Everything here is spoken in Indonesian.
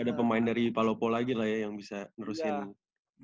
ada pemain dari palopo lagi lah ya yang bisa nerusin